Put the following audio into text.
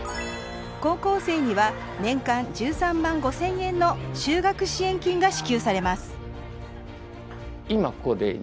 高校生には年間１３万５０００円の就学支援金が支給されます